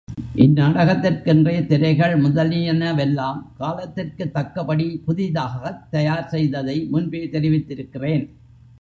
இந் நாடகத்திற்கென்றே திரைகள் முதலியனவெல்லாம் காலத்திற்குத் தக்கபடி புதிதாகத் தயார் செய்ததை முன்பே தெரிவித்திருக்கிறேன்.